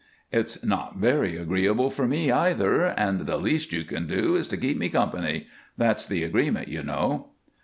"It's not very agreeable for me, either, and the least you can do is to keep me company. That's the agreement, you know."